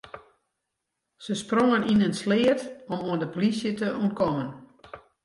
Se sprongen yn in sleat om oan de polysje te ûntkommen.